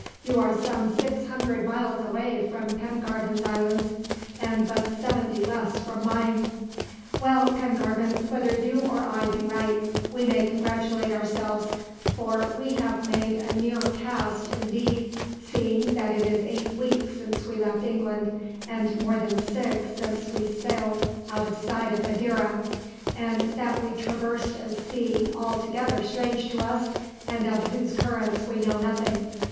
You are some six hundred miles away from Pengarvan's islands, and but seventy less from mine. "Well, Pengarvan, whether you or I be right, we may congratulate ourselves; for we have made a near cast, indeed, seeing that it is eight weeks since we left England, and more than six since we sailed out of sight of Madeira; and that we traversed a sea altogether strange to us, and of whose currents we know nothing.